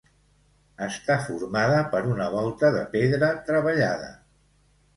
Està formada per una volta de pedra treballada.